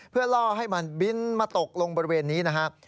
เพื่อล่อให้มันบินมาตกลงบริเวณนี้นะครับ